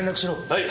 はい！